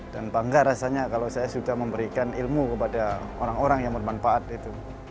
dan bangga rasanya kalau saya sudah memberikan ilmu kepada orang orang yang bermanfaat